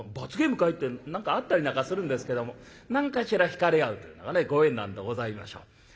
って何かあったりなんかするんですけども何かしら引かれ合うというのがねご縁なんでございましょう。